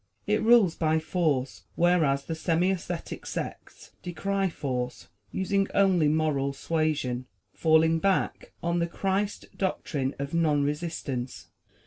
It rules by force, whereas the semi ascetic sects decry force, using only moral suasion, falling back on the Christ doctrine of non resistance.